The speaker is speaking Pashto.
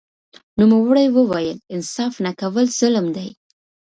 نوموړي وویل انصاف نه کول ظلم دی